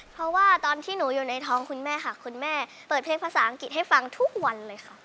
เพราะว่าตอนที่หนูอยู่ในท้องคุณแม่ค่ะคุณแม่เปิดเพลงภาษาอังกฤษให้ฟังทุกวันเลยค่ะ